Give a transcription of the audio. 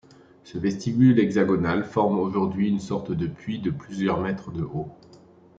Ce vestibule hexagonal forme aujourd'hui une sorte de puits de plusieurs mètres de haut.